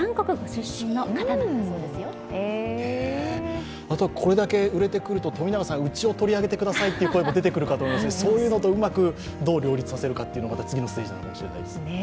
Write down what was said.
紹介してくれるんですがこれだけ売れてくると、冨永さんうちを取り上げてくださいという声も出てくると思いますがそういうのとうまくどう両立させるかというのも次のステージですね。